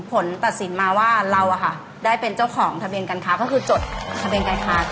ผลตัดสินมาว่าเราได้เป็นเจ้าของทะเบียนการค้าก็คือจดทะเบียนการค้า